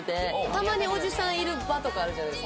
たまにおじさんいる場とかあるじゃないですか。